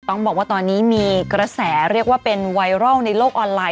ต้องบอกว่าตอนนี้มีกระแสเรียกว่าเป็นไวรัลในโลกออนไลน